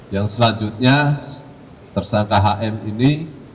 yang selanjutnya tersangka hm ini